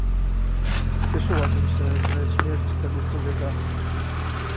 "Cieszyłabym się z śmierci tego człowieka!"